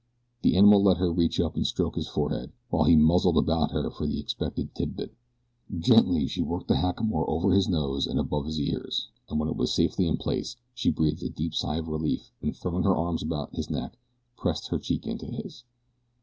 The animal let her reach up and stroke his forehead, while he muzzled about her for the expected tidbit. Gently she worked the hackamore over his nose and above his ears, and when it was safely in place she breathed a deep sigh of relief and throwing her arms about his neck pressed her cheek to his.